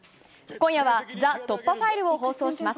今夜は、ＴＨＥ突破ファイルを放送します。